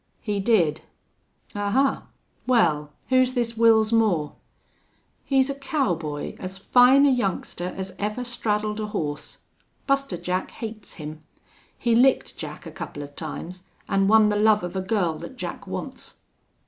"He did." "Ahuh! Wal, who's this Wils Moore?" "He's a cowboy, as fine a youngster as ever straddled a horse. Buster Jack hates him. He licked Jack a couple of times an' won the love of a girl that Jack wants."